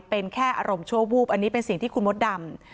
เป็นแค่อารมณ์ชั่ววูบอันนี้เป็นสิ่งที่คุณมดดำ